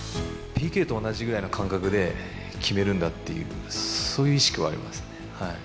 ＰＫと同じぐらいの感覚で決めるんだっていう、そういう意識はありますね。